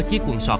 chiếc quần sọt